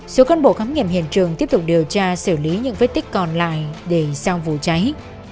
số cán bộ khám nghiệm hiện trường tiếp tục điều tra xử lý những vết tích còn lại để sau vụ cháy